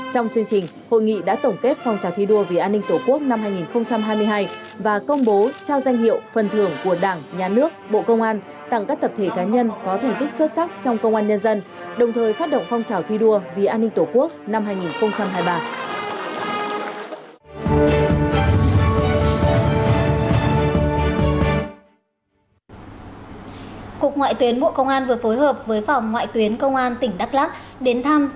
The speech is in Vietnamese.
trong chương trình hội nghị đã tổng kết phong trào thi đua vì an ninh tổ quốc năm hai nghìn hai mươi hai và công bố trao danh hiệu phần thưởng của đảng nhà nước bộ công an tặng các tập thể cá nhân có thành tích xuất sắc trong công an nhân dân đồng thời phát động phong trào thi đua vì an ninh tổ quốc năm hai nghìn hai mươi ba